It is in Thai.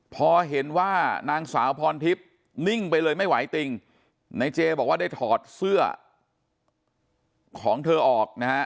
พอเห็นว่านางสาวพรทิพย์นิ่งไปเลยไม่ไหวติงในเจบอกว่าได้ถอดเสื้อของเธอออกนะฮะ